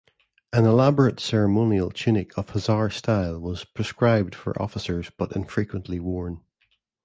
An elaborate ceremonial tunic of hussar style was prescribed for officers but infrequently worn.